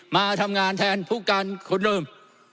มาทำงานแทนผู้การคนเดิม